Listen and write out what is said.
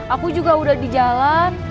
aku juga udah di jalan